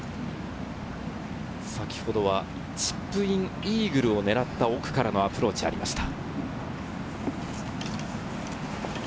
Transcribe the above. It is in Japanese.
先ほどはチップインイーグルを狙った奥からのアプローチがありました。